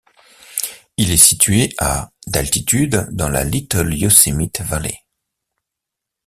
Il est situé à d'altitude dans la Little Yosemite Valley.